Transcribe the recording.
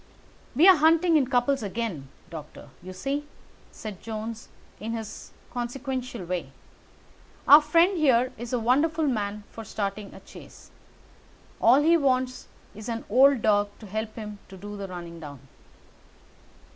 "We're hunting in couples again, Doctor, you see," said Jones in his consequential way. "Our friend here is a wonderful man for starting a chase. All he wants is an old dog to help him to do the running down."